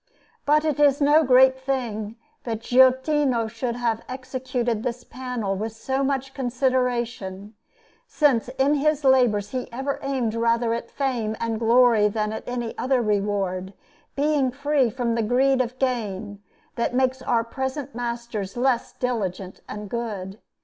But it is no great thing that Giottino should have executed this panel with so much consideration, since in his labours he ever aimed rather at fame and glory than at any other reward, being free from the greed of gain, that makes our present masters less diligent and good.